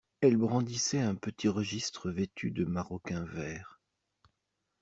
Elle brandissait un petit registre vêtu de maroquin vert.